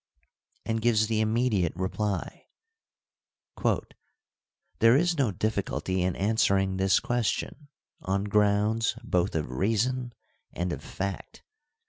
And gives the immediate reply : There is no difficulty in answering this question on grounds both of reason and of fact.